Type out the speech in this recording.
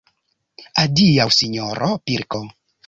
Adiaŭ, sinjoro pilko!